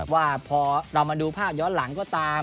ว่าพอเรามาดูภาพย้อนหลังก็ตาม